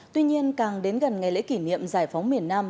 tuy nhiên càng đến gần ngày lễ kỷ niệm giải phóng miền nam